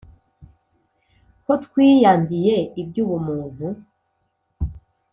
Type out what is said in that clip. Ko twiyangiye iby'ubumuntu